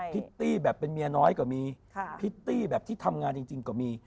พิตตี้แบบเป็นเมียน้อยก็มีพิตตี้แบบที่ทำงานจริงก็มี